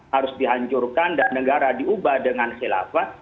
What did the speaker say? harus dihancurkan dan negara diubah dengan khilafah